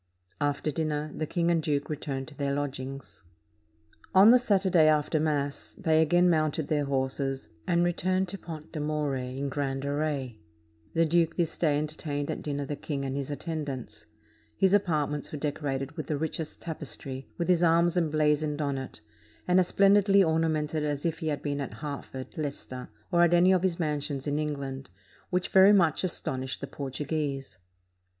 After dinner, the king and duke returned to their lodgings. On the Saturday after Mass, they again mounted their 574 THE BETROTHAL OF PRINCESS PHILIPPA horses, and returned to Pont de More in grand array. The duke this day entertained at dinner the king and his attendants. His apartments were decorated with the richest tapestry, with his arms emblazoned on it, and as splendidly ornamented as if he had been at Hert ford, Leicester, or at any of his mansions in England, which very much astonished the Portuguese.